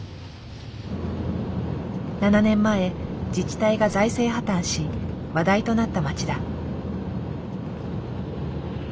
７年前自治体が財政破綻し話題となった町だ。